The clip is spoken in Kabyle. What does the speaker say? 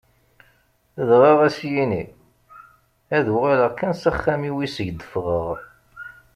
Dɣa ad s-yini: ad uɣaleɣ kan s axxam-iw iseg d-ffɣeɣ.